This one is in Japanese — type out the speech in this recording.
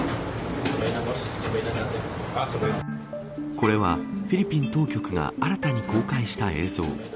これは、フィリピン当局が新たに公開した映像。